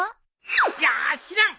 いや知らん！